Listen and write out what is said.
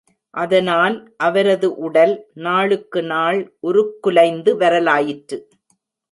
அதனால், அவரது உடல் நாளுக்கு நாள் உருக்குலைந்து வரலாயிற்று.